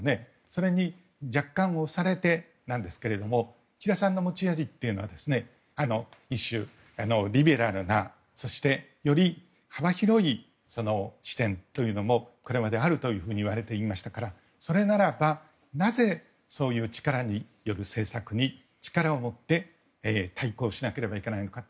それに若干、押されてですが岸田さんの持ち味というのは一種、リベラルなそしてより幅広い視点というのもこれまであるといわれていましたからそれならばなぜそういう力による政策に力をもって対抗しなければいけないのか。